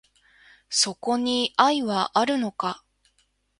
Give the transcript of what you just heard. そこに愛はあるのか